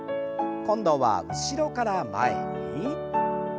今度は後ろから前に。